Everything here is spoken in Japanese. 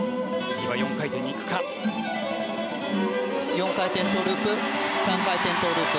４回転トウループ３回転トウループ。